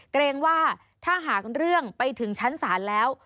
เกรงว่าถ้าหากเรื่องไปถึงชั้นศาลแล้ว